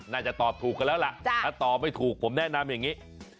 น่าจะตอบถูกกันแล้วล่ะถ้าตอบไม่ถูกผมแนะนำอย่างนี้